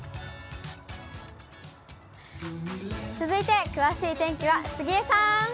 続いて、詳しい天気は杉江さん。